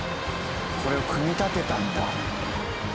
これを組み立てたんだ。